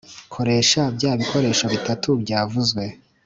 koresha bya bikoresho bitatu byavuzwe